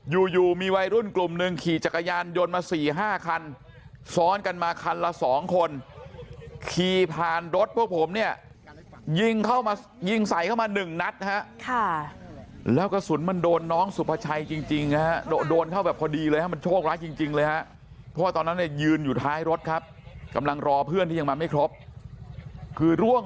อยู่อยู่มีวัยรุ่นกลุ่มหนึ่งขี่จักรยานยนต์มาสี่ห้าคันซ้อนกันมาคันละ๒คนขี่ผ่านรถพวกผมเนี่ยยิงเข้ามายิงใส่เข้ามาหนึ่งนัดฮะแล้วกระสุนมันโดนน้องสุภาชัยจริงนะฮะโดนเข้าแบบพอดีเลยฮะมันโชคร้ายจริงเลยฮะเพราะตอนนั้นเนี่ยยืนอยู่ท้ายรถครับกำลังรอเพื่อนที่ยังมาไม่ครบคือร่วง